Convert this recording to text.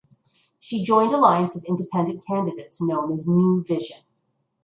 She joined alliance of independent candidates known as New Vision.